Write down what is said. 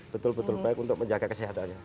betul betul baik untuk menjaga kesehatannya